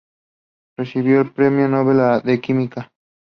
Recibió el Premio Nobel de Química.